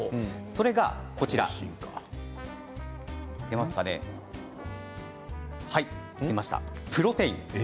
それがプロテインです。